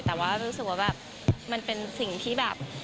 แต่ว่ารู้สึกว่าแบบมันเป็นสิ่งที่แบบ